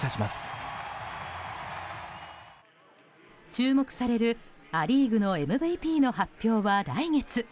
注目される、ア・リーグのＭＶＰの発表は来月。